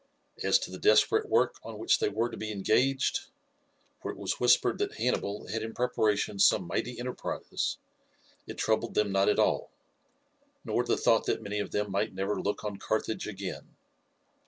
As to the desperate work on which they were to be engaged for it was whispered that Hannibal had in preparation some mighty enterprise it troubled them not at all, nor the thought that many of them might never look on Carthage again.